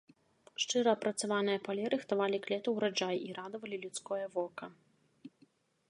Шчыра апрацаваныя палі рыхтавалі к лету ўраджай і радавалі людское вока.